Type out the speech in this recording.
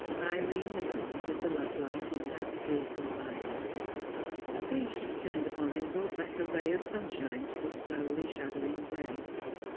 Irene listened with the love light in her hazel eyes; the face she turned upon him brought back a ray of sunshine to the slowly shadowing glen.